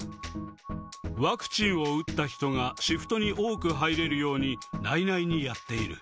ワクチンを打った人がシフトに多く入れるように内々にやっている。